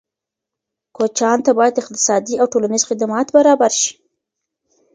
کوچیانو ته باید اقتصادي او ټولنیز خدمات برابر شي.